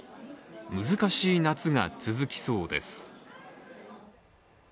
難しい夏が続きそうです。